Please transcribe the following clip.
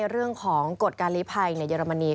เรื่องของกฎการลีภัยในเยอรมนี